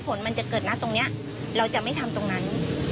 ผลมันจะเกิดนะตรงนี้เราจะไม่ทำตรงนั้น